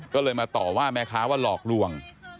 ก็เลยมาต่อว่าแม่ค้าว่าหลอกลวง